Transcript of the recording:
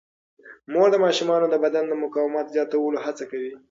مور د ماشومانو د بدن د مقاومت زیاتولو هڅه کوي.